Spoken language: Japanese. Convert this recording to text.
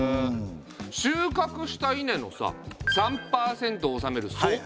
収穫した稲のさ３％を納める租。